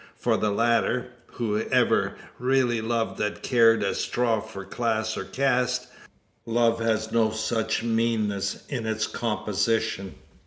For the latter, who ever really loved that cared a straw for class, or caste? Love has no such meanness in its composition.